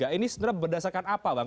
ini sebenarnya berdasarkan apa bang